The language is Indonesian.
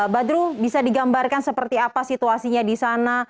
badru bisa digambarkan seperti apa situasinya di sana